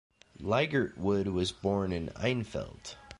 Leigertwood was born in Enfield.